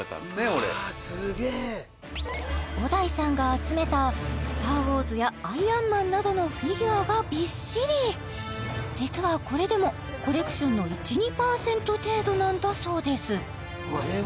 俺小田井さんが集めた「スター・ウォーズ」や「アイアンマン」などのフィギュアがびっしり実はこれでもコレクションの１２％程度なんだそうですうわ